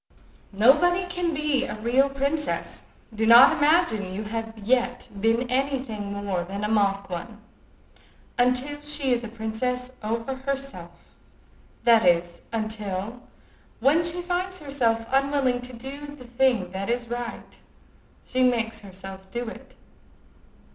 "Nobody can be a real princess—do not imagine you have yet been any thing more than a mock one—until she is a princess over herself, that is, until, when she finds herself unwilling to do the thing that is right, she makes herself do it.